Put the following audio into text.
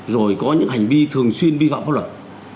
rồi có những hành vi thường xuyên vi phạm pháp luật